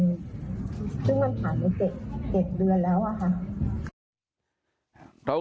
ซึ่งมันผ่านมา๗เดือนแล้วอะค่ะ